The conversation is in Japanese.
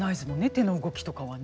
手の動きとかはね。